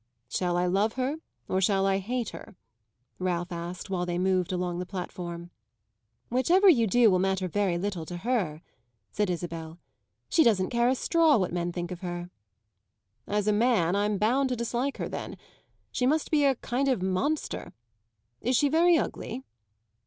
"Shall I love her or shall I hate her?" Ralph asked while they moved along the platform. "Whichever you do will matter very little to her," said Isabel. "She doesn't care a straw what men think of her." "As a man I'm bound to dislike her then. She must be a kind of monster. Is she very ugly?"